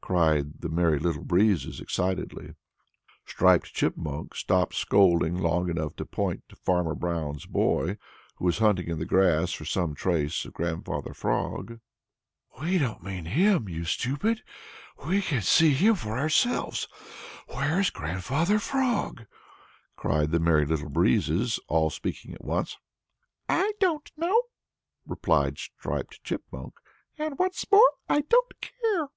cried the Merry Little Breezes excitedly. Striped Chipmunk stopped scolding long enough to point to Farmer Brown's boy, who was hunting in the grass for some trace of Grandfather Frog. "We don't mean him, you stupid! We can see him for ourselves. Where's Grandfather Frog?" cried the Merry Little Breezes, all speaking at once. "I don't know," replied Striped Chipmunk, "and what's more, I don't care!"